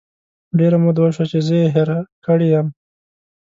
ډیره موده وشوه چې زه یې هیره کړی یمه